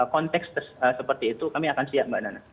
konteks seperti itu kami akan siap mbak nana